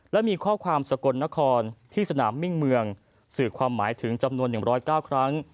และมีข้อความสกลนครที่สนามมิ่งเมืองสื่อความหมายถึงจำนวน๑๐๙ครั้ง